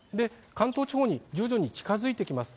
関東地方に徐々に近づいてきます。